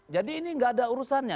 jadi ini enggak ada urusannya